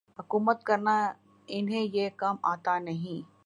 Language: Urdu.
حکومت کرنا انہیں یہ کام آتا نہیں۔